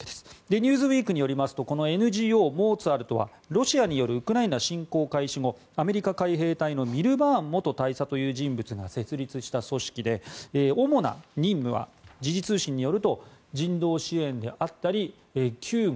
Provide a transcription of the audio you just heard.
「ニューズウィーク」によりますとこのＮＧＯ、モーツァルトはロシアによるウクライナ侵攻開始後アメリカ海兵隊のミルバーン元大佐という人物が設立した組織で主な任務は時事通信によると人道支援であったり救護